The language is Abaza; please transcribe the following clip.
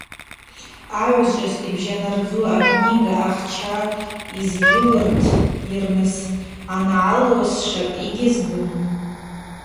Агӏвычӏвгӏвыс йбжанардзу акнига ахча азйыурытйырныс ангӏалуазшва йгьызбум.